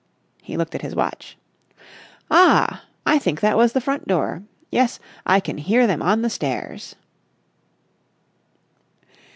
He looked at his watch. "Ah! I think that was the front door. Yes, I can hear them on the stairs."